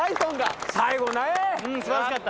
最後ねぇ。